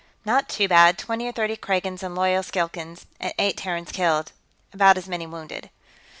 "Not too bad. Twenty or thirty Kragans and loyal Skilkans, and eight Terrans killed, about as many wounded."